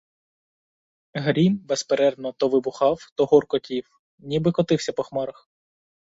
Грім безперервно то вибухав, то гуркотів, ніби котився по хмарах.